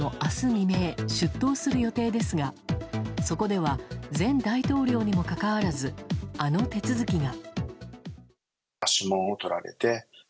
未明出頭する予定ですが、そこでは前大統領にもかかわらずあの手続きが。